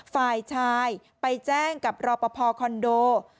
ฝ่ายชายไปแจ้งกับรอปภคอนโด